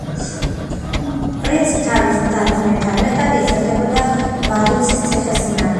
პრინცი თავის და-ძმებთან ერთად იზრდებოდა ვადუცის ციხე-სიმაგრეში.